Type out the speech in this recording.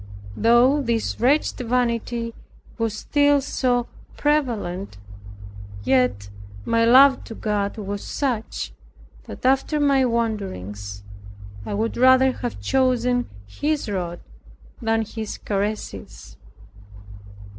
Though this wretched vanity was still so prevalent, yet my love to God was such, that after my wanderings, I would rather have chosen His rod than His caresses.